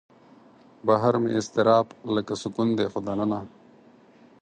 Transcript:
بهر مې اضطراب لکه سکون دی خو دننه